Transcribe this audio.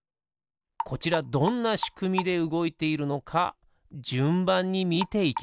こちらどんなしくみでうごいているのかじゅんばんにみていきましょう。